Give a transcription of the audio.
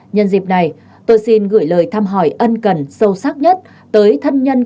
nhân dịp này tôi xin gửi lời thăm hỏi ân cần sâu sắc nhất tới thân nhân các đồng chí